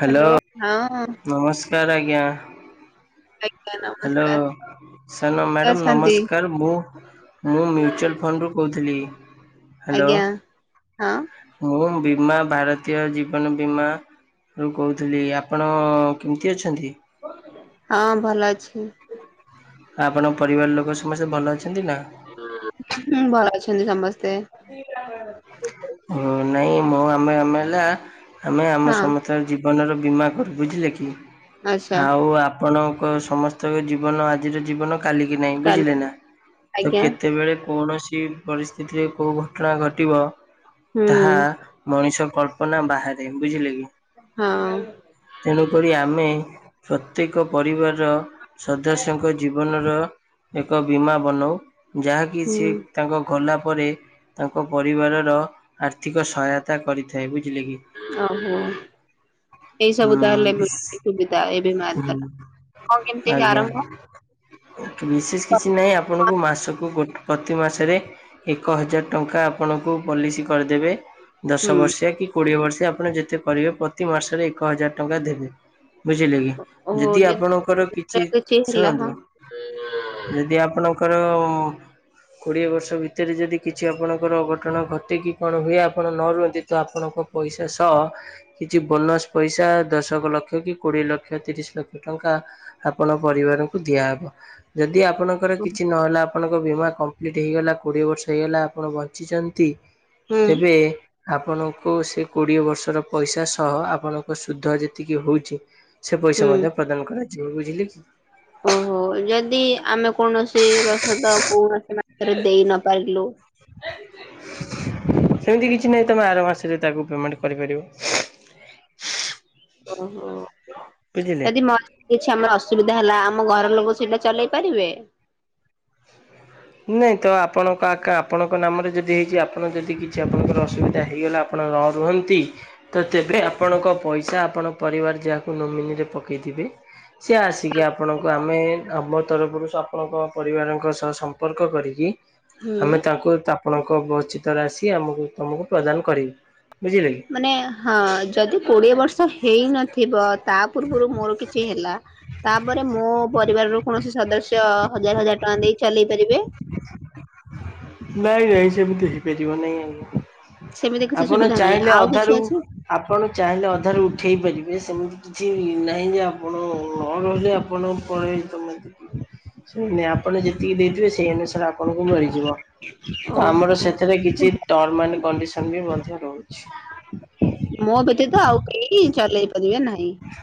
Hello ନମସ୍କାର ଆଜ୍ଞା। ଆଇ ହ୍ୟାଲୋ ସାର୍ ନ କିଏ ମ୍ୟାଡ଼ାମ୍ ଅଛନ୍ତି? ନମସ୍କାର ମୁଁ ମୁଁ ମ୍ୟୁଚୁଆଲ ଫଣ୍ଡରୁୁ କହୁଥିଲି, ହ୍ୟାଲୋ ଆଜ୍ଞା ହଁ ମୁଁ ବୀମା ଭାରତୀୟ ଜୀବନ ବୀମା ମୁଁ କହୁଥିଲି, ଆପଣ କେମତି ଅଛନ୍ତି? ହଁ ଭଲ ଅଛି। ଆପଣଙ୍କ ପରିବାର ଲୋକ ସମସ୍ତେ ଭଲ ଅଛନ୍ତି ନା? ହୁଁ, ଭଲ ଅଛନ୍ତି ସମସ୍ତେ। ମୁଁ ନାଇଁ ମୁଁ ଆମେ ଆମେ ହେଲା ଆମେ ଆମ ହଁ। ସମ ତ ଜୀବନର ବୀମା କରୁ ବୁଝିଲେକି ଆଚ୍ଛା ଆଉ ଆପ ଆପଣଙ୍କ ସମସ୍ତଙ୍କ ଜୀବନ ଆଜିର ଜୀବନ। କାଲିକିି ନାହିଁ। କାଲି ବୁଝିଲେ ନା, ତ ଆଜ୍ଞା କେତେବେଳେ କୌଣସି ପରିସ୍ଥିତିରେ କୋଉ ଘଟଣା ଘଟିବ। ହୁଁ ତାହା ମଣିଷ କଳ୍ପନା ବାହାରେ ବୁଝିଲେ କି। ହଁ। ତେଣୁ କରି ଆମେ ପ୍ରତ୍ୟେକ ପରିବାରର ସଦସ୍ୟଙ୍କ ଜୀବନର ଏକ ବୀମା ବନଉ ଯାହାକି ସିଏ ହୁଁ ତାଙ୍କ ଗଲା ପରେ ତାଙ୍କ ପରିବାରର ଆର୍ଥିକ ସହାୟତା କରିଥାଏ, ବୁଝିଲେ କି। ଓହୋ। ଏଇ ହୁଁ ସବୁ ତାହେଲେ ଏମିତି ସୁବିଧା ଏବେ ମାର ହୁଁ [inaudible] କଣ କେମିତି କି ଆଜ୍ଞା। ଆରମ୍ଭ? ବିଶେଷ କିଛି ନାହିଁ ଆପଣଙ୍କୁ ମାସକୁ ଗୋଟ ପ୍ରତି ମାସରେ ଏକ ହଜାର ଟଙ୍କା ଆପଣଙ୍କୁ ପଲିସି କରିଦେବେ। ହୁଁ ଦଶ ବର୍ଷିଆ କି କୋଡ଼ିଏ ବର୍ଷେ ଆପଣ ଯେତେ କରିବେ ପ୍ରତି ମାସରେ ଏକ ହଜାର ଟଙ୍କା ଦେବେ। ବୁଝିଲେ କି? ଯଦି ଆପଣଙ୍କର କିଛି, ହେଲା ହଁ ଶୁଣନ୍ତୁ ଯଦି ଆପଣଙ୍କର କୋଡ଼ିଏ ବର୍ଷ ଭିତରେ ଯଦି କିଛି ଆପଣଙ୍କର ଅଘଟଣ ଘଟ ଟେକି କଣ ହୁଏ ଆପଣ ନ ରୁହନ୍ତି ତ ଆପଣଙ୍କ ପଇସା ସଅ କିଛି ବୋନସ୍ ପଇସା ଦଶକ ଲକ୍ଷ କି କୋଡିଏ ଲକ୍ଷ ତିରିଶ ଲକ୍ଷ ଟଙ୍କା ଆପଣ ପରିବାରଙ୍କୁ ଦିଆହବ। ଯଦି ଆପଣ ଧର କିଛି ନହେଲା ଆପଣଙ୍କ ବୀମା କମ୍ପ୍ଲିଟ୍ ହେଇଗଲା। କୋଡ଼ିଏ ବର୍ଷ ହେଇଗଲା ଆପଣ ବଞ୍ଚିଚନ୍ତି। ହୁଁ ତେବେ ଆପଣଙ୍କୁ ସେ କୋଡିଏ ବର୍ଷର ପଇସା ସହ ଆପଣଙ୍କ ସୁଧ ଯେତିକି ହଉଛି। ସେ ହୁଁ ପଇସା ମଧ୍ୟ ପ୍ରଦାନ କରାଯିବ ବୁଝିଲେ କି। ଓହୋ! ଯଦି ଆମେ କୌଣସି ବସତ କୌଣସି ମାସରେ ଦେଇ ନ ପାରିଲୁ ସେମିତି କିଛି ନାହିଁ ତୋମେ ଆର ମାସରେ ତାକୁ ପେମେଣ୍ଟ କରିପାରିବ। ଓହୋ! ବୁଝିଲେ? ଯଦି ମର କିଛି ଆମର ଅସୁବିଧା ହେଲା ଆମ ଘର ଲୋକ ସେଇଟା ଚଲେଇ ପାରିବେ? ନାଇଁ ତ ଆପଣଙ୍କ ଆକା ଆପଣଙ୍କ ନାମରେ ଯଦି ହେଇଚି। ଆପଣ ଯଦି କିଛି ଆପଣଙ୍କର ଅସୁବିଧା ହେଇଗଲା। ଆପଣ ନ ରୁହନ୍ତି ତ ତେବେ ଆପଣଙ୍କ ପଇସା ଆପଣ ପରିବାର ଯାହାକୁ ନୋମିନିରେ ପକେଇଥିବେ ସେ ଆସିକି ଆପଣଙ୍କୁ ଆମେ ଆମ ତରଫରୁ ସୋ ଆପଣଙ୍କ ପରିବାରଙ୍କ ସହ ସ ସମ୍ପର୍କ କରିକି ଆମେ ତାଙ୍କୁ ତା ଆପଣଙ୍କ ବଚିତ୍ର ଆସିି ଆମକୁ ତୁମକୁ ପ୍ରଦାନ କରିବି। ମାନେ ହଁ ଯଦି କୋଡିଏ ବର୍ଷ ହେଇନଥିବ ତା ପୂର୍ବରୁ ମୋର କିଛି ହେଲା। ତାପରେ ମୋ ପରିବାର ର କୌଣସି ସଦସ୍ୟ ହଜାର ହଜାର ଟଙ୍କା ଦେଇ ଚଲେଇ ପାରିବେ। ନାଇଁ ନାଇ ସେମିତି ହେଇପାରିବ ନାଇଁ ଆଜ୍ଞା। ସେମିତି କିଛି ଆପଣ ସୁବିଧା ନାହିଁ ଚାହିଁଲେ ଆଉ କିଛି ଅଧାରୁ ଅଛି? ଆପଣ ଚାହିଁଲେ ଅଧାରୁ ଉଠେଇ ପାରିବେ ସେମିତି। କିଛି ନାହିଁ ଯେ ଆପଣ ନ ରହିଲେ ଆପଣ ପଳେଇଲେ ତମେ ଦେ ସେ ନାଇଁ ଆପଣ ଯେତିକି ଦେଇଥିବେ ସେଇ ଅନୁସାରେ ଆପଣଙ୍କୁ ମିଳିଯିବ। ତ ଆମର ଓହୋ। ସେଥିରେ କିଛି ଟର୍ମ ଆ କଣ୍ଡିସନ ବି ମଧ୍ୟ ରହୁଛି। ମୋ ବ୍ୟତୀତ ତ ଆଉ କେହି ଚଲେଇ ପାରିବେ ନାହିଁ। ନ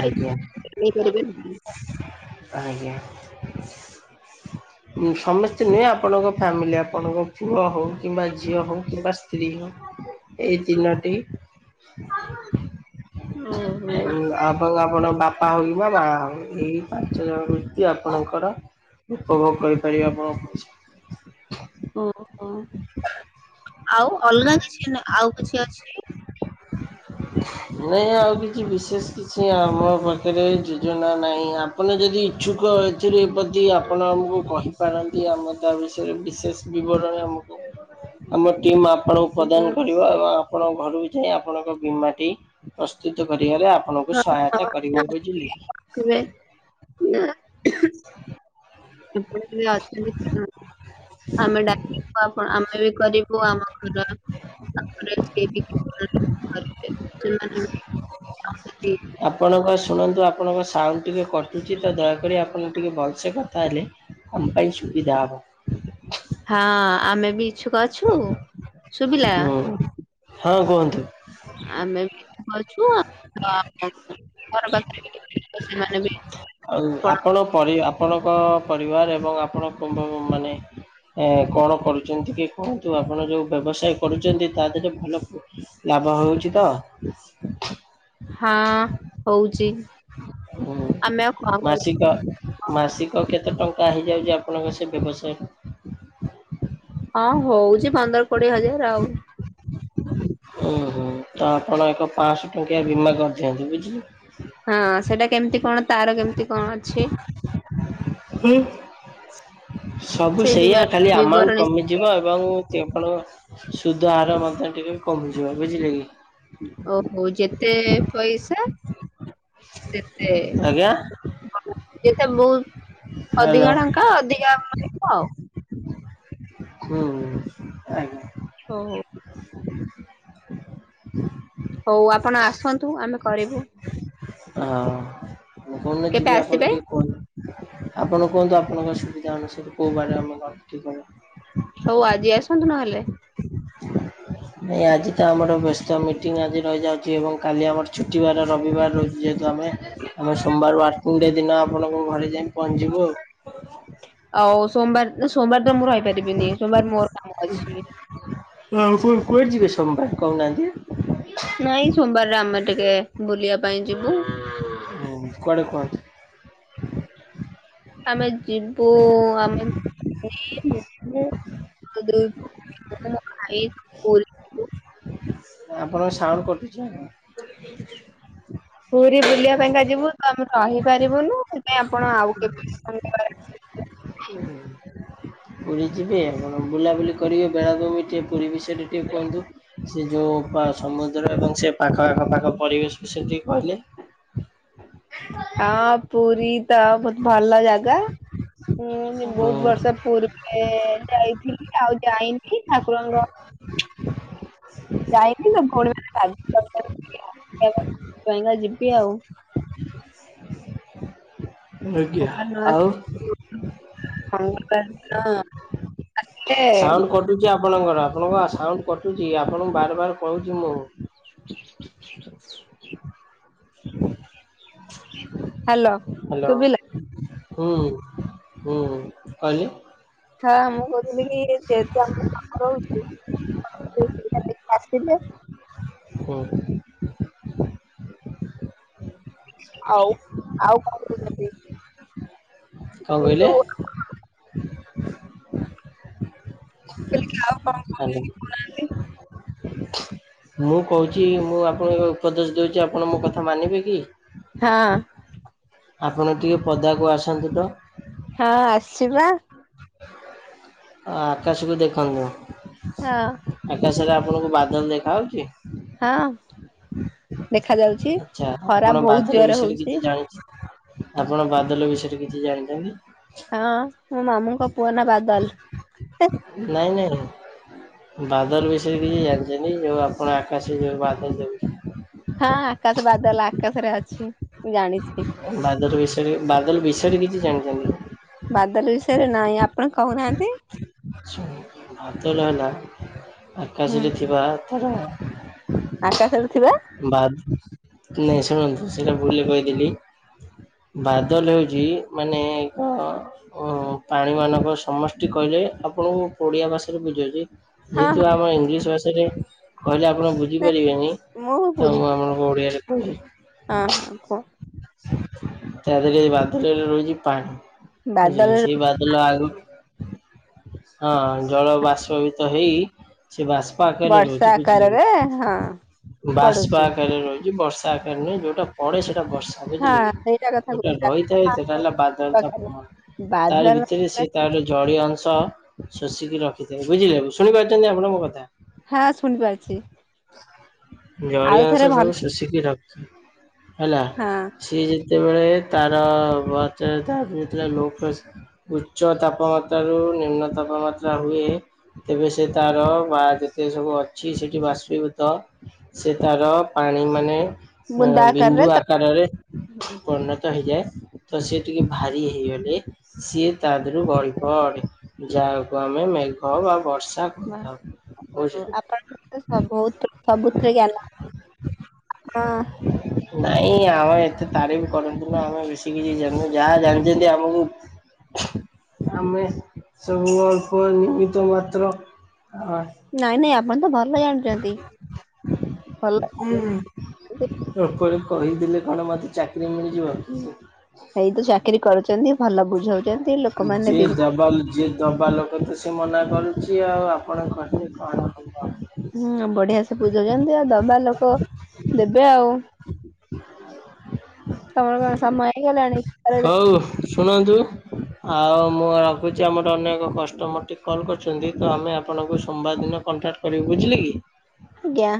ଆଜ୍ଞା [unintelligible] କରିବେ। ଆଜ୍ଞା। ହ। ସମସ୍ତେ ନୁହେଁ ଆପଣଙ୍କ ଫ୍ୟାମିଲି ଆପଣଙ୍କ ପୁଅ ହଉ କିମ୍ବା ଝିଅ ହଉ କିମ୍ବା ସ୍ତ୍ରୀ ହଉ। ଏଇ ଦିନଟି ଆ। ଆପଣ ଆପଣଙ୍କ ବାପା ହଉ କି ବା ମା ହଉ ଏଇ ପାଞ୍ଚ ଜଣ ବ୍ୟକ୍ତି ଆପଣଙ୍କର ଉପଭୋଗ କରିପାରିବେ ଆପଣ ଓହୋ ଆଉ ଅଲଗା କିଛି ଆଉ କିଛି ଅଛି। [unintelligible] ନାଇଁ ଆଉ କିଛି ବିଶେଷ କିଛି ଆମ ପାଖରେ ଯୋଜନା ନାହିଁ। ଆପଣ ଯଦି ଇଚ୍ଛୁକ ଏ ପ୍ରତି ଆପଣ ଆମକୁ କହିପାରନ୍ତି ଆମ ତା ବିଷୟରେ ବିଶେଷ ବିବରଣୀ ଆମ ଟିମ୍ ଆମ ଟିମ୍ ଆପଣଙ୍କୁ ପ୍ରଦାନ କରିବ ଏବଂ ଆପଣଙ୍କ ଘରୁ ଯେ ଆପଣଙ୍କ ବୀମା ଟି ପ୍ରସ୍ତୁତ କରିବାରେ ଆପଣଙ୍କୁ ସହାୟତା କରିବେ ବୁଝିଲେ କି। କେବେ କେମିତି ଅଛନ୍ତି [unintelligible] ଆମେ ଡାକିବୁ ଆପଣ ଆମେ ବି କରିବୁ ଆମ ଘରର [unintelligible] ଆପଣଙ୍କ ଶୁଣନ୍ତୁ ଆପଣଙ୍କ ସାଉଣ୍ଡ ଟିକେ କଟୁଛି ତ ଦୟାକରି ଆପଣ ଟିକେ ଭଲସେ କଥା ହେଲେ ଆମ ପାଇ ସୁବିଧା ହବ। ହଁ ଆମେ ବି ଇଛୁକ ଅଛୁ ଶୁଭିଲା। ହୁଁ ହଁ କୁହନ୍ତୁ। ଆମେ ବି ଇଛୁକ ଅଛୁ ଆଉ ଘର ପାଖରେ ସେମାନେ ବି ଆଉ ଆପଣ ପରି ଆପଣଙ୍କ ପରିବାର ଏବଂ ଆପଣଙ୍କ ମାନେ ଏ କଣ କରୁଛନ୍ତି କି କୁହନ୍ତୁ ଆପଣ ଯୋଉ ବ୍ୟବସାୟ କରୁଛନ୍ତି ତା ଦେହରେ ଭଲ ଲାଭ ହଉଛି ତ। ହଁ ହଉଛି ହୁଁ ଆମେ ଆଉ କ କରୁ ମାସିକ ମାସିକ କେତେ ଟଙ୍କା ହେଇଯାଉଛି ଆପଣଙ୍କ ସେ ବ୍ୟବସାୟ ରେ? ହଁ ହଉଛି ପନ୍ଦର କୋଡିଏ ହଜାର ଆଉ। ହୁଁ ହୁଁ ତ ଆପଣ ଏକ ପାଞ୍ଚଶ ଟଙ୍କିଆ ବୀମା କରିଦିଅନ୍ତୁ ବୁଝିଲେ। ହଁ ସେଇଟା କେମିତି କଣ ତାର କେମିତି କଣ ଅଛି। ହ ସବୁ ସେ ବି ସେଇଆ ଖାଲି ଆମାଉଣ୍ଟ ବିବରଣୀ କମି ଯିବ ଏବଂ ଆପଣ ସୁଧହାରହାର ମଧ୍ୟ ଟିକେ କମିଯିବ ବୁଝିଲେ କି। ଓହୋ ଯେତେ ପଇସା ସେତେ ଆଜ୍ଞା ଏତେ ବହୁତ ହ୍ୟାଲୋ ଅଧିକ ଟଙ୍କା ହଁ ଅଧିକା ମିଳିବ ଆଉ। ହୁଁ ଆଜ୍ଞା। ଓହୋ। ହଉ ଆପଣ ଆସନ୍ତୁ ଆମେ କରିବୁ। ହଁ ମୁ କୋଉ ଦିନ କେବେ ଯିବି ଆପଣ ଆସିବେ ଟିକେ କୁହନ୍ତୁ? ଆପଣ କୁହନ୍ତୁ ଆପଣଙ୍କର ସୁବିଧା ଅନୁସାରେ କୋଉ ବାରେ ଆମ ଘର ଠିକର ହୋଉ ଆଜି ଆସନ୍ତୁ ନହେଲେ। ନାଇ ଆଜି ତ ଆମର ବ୍ୟସ୍ତ ମିଟିଂଙ୍ଗି ଆଜି ରହିଯାଉଛି ଏବଂ କାଲି ଆମର ଛୁଟିବାର ରବିବାର ର ଯେହେତୁ ଆମେ ଆମେ ସୋମବାର ଆଟିଙ୍ଗ ରେ ଦିନ ଆପଣଙ୍କ ଘରେ ଯାଇ ପହଞ୍ଚିଯିବୁ ଆଉ। ଆଉ ସୋମବାର ସୋମବାର ତ ମୁଁ ରହିପାରିବିନି ସୋମବାର ମୋର କାମ ଅଛି। ହଁ ଆପଣ କୁଆଡେ ଯିବେ ସୋମବାର କହୁନାହାନ୍ତି। ନାଇଁ ସୋମବାରରେ ଆମେ ଟିକେ ବୁଲିବା ପାଇଁ ଯିବୁ। ହୁଁ କୁଆଡେ କୁଆଡେ? ଆମେ ଯିବୁ ଆମେ। [inaudible] ନା ମୁଁ ଆଇ କୁଲ୍। ଆପଣଙ୍କ ସାଉଣ୍ଡ କଟୁଛି ନା କଣ? ପୁରୀ ବୁଲିବା ପାଇଁକା ଯିବୁ ତ ଆମେ ରହିବୁ। ପାରିବୁନୁ ସେଥିଇଁ ଆପଣ ଆଉ କେବେ। [unintelligible] ଉଁ ହୁଁ। ପୁରୀ ଯିବେ ଆପଣ ବୁଲାବୁଲି କରିବେ ବେଳା ଭୂମି ଟିକେ ପୁରିବେଶ ସେଠି ଟିକେ କୁହନ୍ତୁ ସେ ଯେଉଁ ସମୁଦ୍ର ଏବଂ ସେ ପାଖ ଆଖ ପାଖ ପରିବେଶ ବିଷୟରେ ଟିକେ କହିଲେ? ଆ ଓ ପୁରୀ ତ ବହୁତ ଭଲ ଲା ଗା ମୁଁ ହୁଁ ବହୁତ ବର୍ଷ ପୁର୍ ଏ ଯାଇଥିଲି ଆଉ ଯାଇନି ଠାକୁରଙ୍କ ଯାଇନି ଭଉଣୀ ମାନେ ବାଧ୍ୟ କରୁଚନ୍ତି ସେଥିପାଇଁ କା ଯିବି ଆଉ। ଆଜ୍ଞା ଆଉ ମନ ଟା ହିଁତ ସାଉଣ୍ଡ କଟୁଛି ଆପଣଙ୍କର ଆପଣଙ୍କ ସାଉଣ୍ଡ କଟୁଛି ଆପଣଙ୍କୁ ବାର୍ ବାର୍ କହୁଛି ମୁଁ। [inaudible] Hello hello. ଶୁବିଲା? ହୁଁ ହୁଁ କହିଲେ ହଁ ମୁଁ କହୁଥିଲି କି ଯଦି ଆମର କାମ ରହୁଚି ସେ ଦି ଭାଇ ଆଙ୍କ ଆସି ଯିବେ? ହୁଁ। [inaudible] ଆଉ ଆଉ କଣ କହୁଚନ୍ତି। କଣ କହିଲେ? ମୁଁ କହିଲି କି ଆଉ କହୁଛନ୍ତି ହ୍ୟାଲୋ। ମୁଁ କହୁଛି ମୁଁ ଆପଣଙ୍କୁ ଉପଦେଶ ଦୋଉଛି ଆପଣ ମୋ କଥା ମାନିବେ କି? ହଁ। ଆପଣ ଟିକେ ପଦାକୁ ଆସନ୍ତୁ ତ। ହଁ ଆସିବା। ଅ ଆକାଶକୁ ଦେଖନ୍ତୁ। ହଁ। ଆକାଶରେ ଆପଣଙ୍କୁ ବାଦଲ ଦେଖା ହୋଉଛି? ହଁ ଦେଖା ଯାଉଛି ଖରା ବହୁତ ଜୋରେ ହୋଉଚି। ହେଇଚି। ଆପଣ ବାଦଲ ବିଷୟରେ କିଛି ଜାଣିଚନ୍ତି? ହଁ ମୋ ମାମୁଁଙ୍କ ପୁଅ ନା ବାଦଲ। ନାଇଁ ନାଇଁ। ବାଦଲ ବିଷୟରେ କିଛି ଜାଣିଛନ୍ତି ଯୋଉ ଆପଣ ଆକାଶରେ ଯୋଉ ବାଦଲ ଦେଖୁଛନ୍ତି। ହଁ ଆକାଶ ବାଦଲ ଆକାଶରେ ଅଛି ମୁଁ ଜାଣିଛି। ବାଦଲ ବିଷୟରେ ବାଦଲ ବିଷୟରେ କିଛି ଜାଣିଚନ୍ତି। ବାଦଲ ବିଷୟରେ ନାହିଁ ଆପଣ କହୁନାହାନ୍ତି। ବାଦଲ ହେଲା ହୁଁ ଆକାଶରେ ଥିବା ତାରା ଆକାଶରେ ଥିବା ବାଦ ନାଇଁ ଶୁଣନ୍ତୁ ସେଇଟା ଭୁଲରେ କହିଦେଲି। ବାଦଲ ହଉଛି ମାନେ ଏକ ଓ ପାଣି ମାନଙ୍କ ସମଷ୍ଟି କହିଲେ ଆପଣଙ୍କୁ ଓଡ଼ିଆ ଭାଷାରେ ବୁଝଉଚି ହଁ ଯେହେତୁ ହଁ ଆମର ଇଂଲିଶ ଭାଷାରେ କହିଲେ ଆପଣ ବୁଝିପାରିବେନି। ତ ମୁଁ ଆପଣଙ୍କୁ ଓଡିଆରେ କହୁଚି। ହଁ ହଁ କୁହ ତା ଦେହରେ ବାଦଲରେ ରହୁଚି ପା ବାଦଲ ବୁଝିଲେ ସେଇ ବାଦଲ ଲ ଆଗ ହଁ ଜଳ ବାସ୍ପବିତ ହେଇ ସେ ବାସ୍ପା ପାଖରେ ରହୁଚି ବୁଝିଲେ କିି। ଏ ହଁ। ବାଷ୍ପ ପଡୁଛି ଆକାରରେ ରହୁଚି ବର୍ଷା ଆକାରରେ ନୁହେଁ ଯୋଉଟା ପଡ଼େ ସେଇଟା ବର୍ଷା। ବୁଝିଲେ ହଁ କି ସେଇଟା କଥା ଯୋଉଟା କହୁଛି ରହିଥାଏ ସେଟା ହେଲା ବାଦଲ ତାରି ବାଦଲ ଭିତରେ ସେ ତା ଯୋଉ ଜଳୀୟ ଅଂଶ ଶୋଷିକି ରଖିଥାଏ ବୁଝିଲେ ଶୁଣିପାରୁଛନ୍ତି ଆପଣ ମୋ କଥା। ହଁ ଶୁଣିପାରୁଚି। ଜଳିୟ ଅଂଶ ଭଲ ସବୁ ଶୋଷିକି ରଖି ହେଲା। ହଁ ସିଏ ଯେତେବେଳେ ତାର [unintelligible] ତାର ଯେତେବେଳେ ଲୋ କଶ୍ ଉଚ୍ଚ ତାପମାତ୍ର ର ନିମ୍ନ ତାପମାତ୍ରା ହୁଏ ତେବେ ସେ ତାର ବା ଯେତେ ସବୁ ଅଛି ସେଠି ବାଷ୍ପଭୂତ ସେ ତାର ପାଣି ମାନେ ବୁନ୍ଦା ଆକାରରେ ବିନ୍ଦୁ ତ ଆକାରରେ ପରିଣ ତ ହେଇଯାଏ। ତ ସେ ଟିକେ ଭାରି ହେଇଗଲେ ସିଏ ତାଦିରୁ ଗଲିପଡେ ଯାହାକୁ ଆମେ ମେଘ ବା ବର୍ଷା ବା କହିଥାଉ। ଅ- ଅ ବୁଝିଲୁ ଆପଣ ଏତେ ସା ବହୁ ସବ ସବୁଥିରେ ଜ୍ଞାନ ଅଛି ହଁ। ନାଇଁ ଆମର ଏତେ ତାରିଫ କରନ୍ତୁନି। ଆମେ ବେଶୀ କିଛି ଜାଣୁନୁ ଯାହା ଜାଣିଛନ୍ତି ଆମକୁ ଆମେ ସବୁ ଅଳ୍ପ ନିମିତ ମାତ୍ର ହ ନାଇଁ ନାଇଁ ଆପଣ ତ ଭଲ ଜାଣିଛନ୍ତି ଭଲ ଲୋକ ଆଗରେ କହିଦେଲେ କଣ ମତେ ଚାକିରି ମିଳିଯିବ କି? ଏଇ ତୁ ଚାକିରି କରୁଛନ୍ତି ଭଲ ବୁଝାଉଛ ଯ ଦବଲ ଯେ ଦବା ଯ କ ତ ସେ ମନା କରୁଚି ଆଉ ଆପଣ କହିଲି କଣ ହେବ? ହୁଁ ବଢିଆ ସେ ବୁଝଉଛନ୍ତି ଆଉ ଦବା ଲୋକ ଦେବେ ଆଉ। ତମର କଣ ସମୟ ହେଇଗଲାଣି? ହଉ ଶୁଣନ୍ତୁ। ଆଉ ମୁଁ ରଖୁଚି। ଆମର ଅନେକ କଷ୍ଟମର ଟିକେ କଲ୍ କରିୁଚନ୍ତି ତ ଆମେ ଆପଣଙ୍କୁ ସୋମବାର ଦିନ କଣ୍ଟାକ୍ଟ କରିବୁ ବୁଝିଲେ କି। ଆଜ୍ଞା।